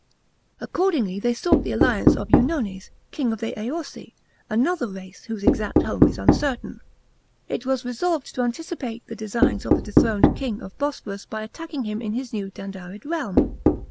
Accordingly they sought the alliance of Ennones, king of the Aorsi, another race whose exact home is uncertain It was resolved to anticipate the designs of the dethroned king of Bosporus by attacking him in his new Dandarid realm.